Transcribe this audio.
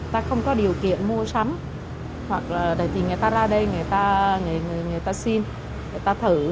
ta không có điều kiện mua sắm hoặc là đợi gì người ta ra đây người ta xin người ta thử